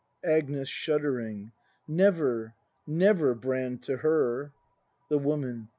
Agnes. [Shuddering.] Never ! never! Brand, to her! The Woman.